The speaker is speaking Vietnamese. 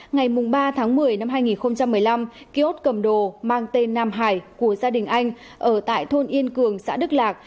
ngày ba tháng một mươi năm hai nghìn một mươi năm kiosk cầm đồ mang tên nam hải của gia đình anh ở tại thôn yên cường xã đức lạc